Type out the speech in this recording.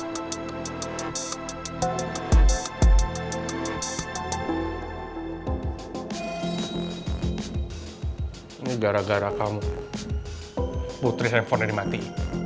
ini gara gara kamu putri yang ponen mati